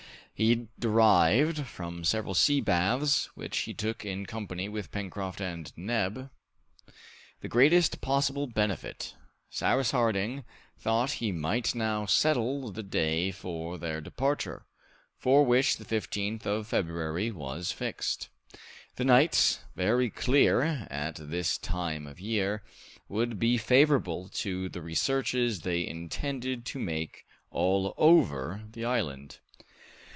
He derived, from several sea baths, which he took in company with Pencroft and Neb, the greatest possible benefit. Cyrus Harding thought he might now settle the day for their departure, for which the 15th of February was fixed. The nights, very clear at this time of year, would be favorable to the researches they intended to make all over the island.